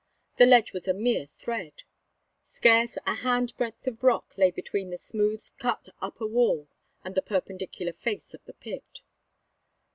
The ledge was a mere thread. Scarce a handbreadth of rock lay between the smooth cut upper wall and the perpendicular face of the pit.